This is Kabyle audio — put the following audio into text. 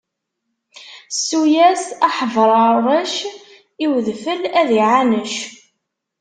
Ssu-yas a Ḥebrurec, i udfel ad iɛanec.